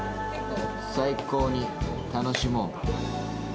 最高に楽しもう」。